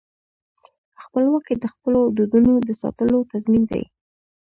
خپلواکي د خپلو دودونو د ساتلو تضمین دی.